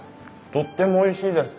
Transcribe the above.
とってもおいしいです。